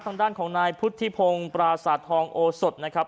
ทางด้านของนายพุทธิพงศ์ปราสาททองโอสดนะครับ